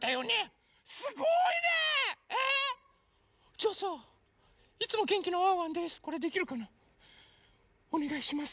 じゃあさ「いつもげんきなワンワンです」